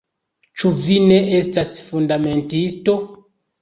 Ĉu vi ne estas fundamentisto?